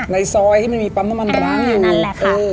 ในซอยที่มันมีปั๊มน้ำมันร้างอยู่นั่นแหละค่ะ